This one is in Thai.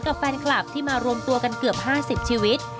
กับแฟนคลับที่มารวมตัวกันเกือบ๕๐ชีวิต